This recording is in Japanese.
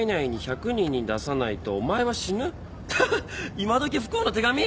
今どき不幸の手紙！？